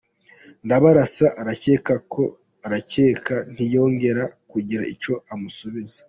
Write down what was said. Ndabarasa araceceka ntiyongera kugira icyo amusubiza.